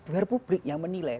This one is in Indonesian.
biar publik yang menilai